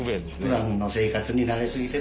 普段の生活に慣れ過ぎて。